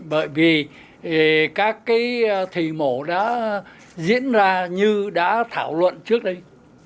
bởi vì các cái thị mổ đã diễn ra như đã thảo luận trước đây